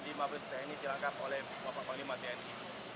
lima di mabes tni dilangkap oleh bapak panglima tni